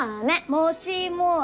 もしも飴！